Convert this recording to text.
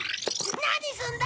何するんだ！？